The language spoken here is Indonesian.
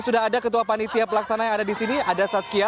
sudah ada ketua panitia pelaksana yang ada di sini ada saskia